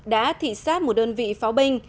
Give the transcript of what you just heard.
đã thị xác một đơn vị pháo binh